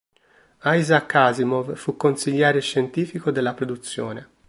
Isaac Asimov fu consigliere scientifico della produzione.